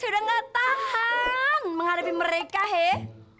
saya udah nggak tahan menghadapi mereka hei